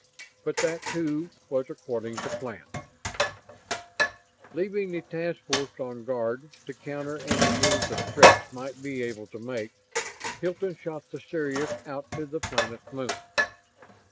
But that, too, was according to plan. Leaving the task force on guard, to counter any move the Stretts might be able to make, Hilton shot the Sirius out to the planet's moon.